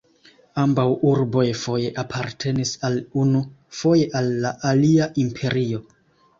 Ambaŭ urboj foje apartenis al unu, foje al la alia imperio.